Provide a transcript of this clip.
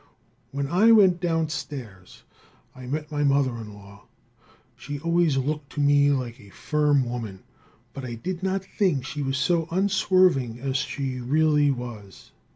"When I went down stairs I met my mother in law. She always looked to me like a firm woman, but I did not think she was so unswerving as she really was.